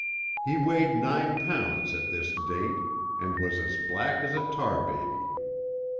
He weighed nine pounds at this date and was as black as a tar baby.